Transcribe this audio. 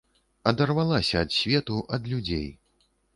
Адарвалася ад свету, ад людзей.